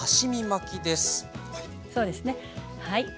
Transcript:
そうですねはい。